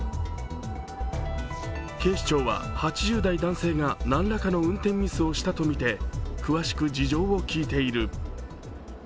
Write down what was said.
警視庁は８０代男性が何らかの運転ミスをしたとして詳しく事情を聴いている。